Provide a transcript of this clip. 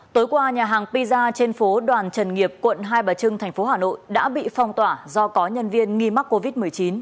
tối qua nhà hàng pizza trên phố đoàn trần nghiệp quận hai bà trưng thành phố hà nội đã bị phong tỏa do có nhân viên nghi mắc covid một mươi chín